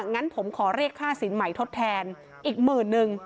งั้นผมขอเรียกค่าสินใหม่ทดแทนอีกหมื่นนึง